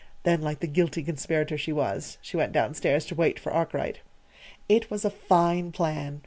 Then, like the guilty conspirator she was, she went down stairs to wait for Arkwright. It was a fine plan.